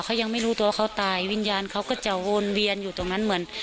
เขายังไม่รู้ตัวเขาตายวิญญาณเขาก็จะวนเวียนอยู่ตรงนั้นเหมือน